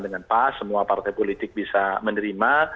terpas semua partai politik bisa menerima